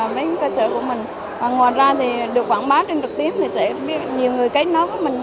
đến cơ sở của mình và ngoài ra thì được quảng bá trên trực tiếp thì sẽ biết nhiều người kết nối với mình hơn